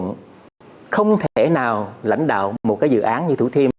ông chủ tịch quận không thể nào lãnh đạo một cái dự án như thú thiêm